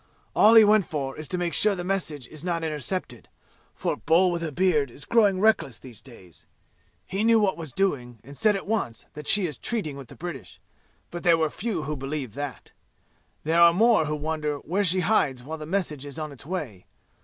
All he went for is to make sure the message is not intercepted, for Bull with a beard is growing reckless these days. He knew what was doing and said at once that she is treating with the British, but there were few who believed that. There are more who wonder where she hides while the message is on its way.